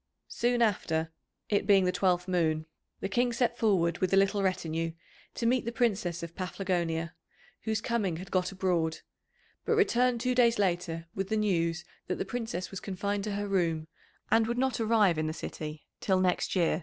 Soon after, it being the twelfth moon, the King set forward with a little retinue to meet the Princess of Paphlagonia, whose coming had got abroad; but returned two days later with the news that the Princess was confined to her room, and would not arrive in the city till next year.